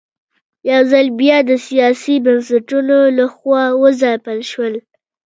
یوځل بیا د سیاسي بنسټونو له خوا وځپل شول.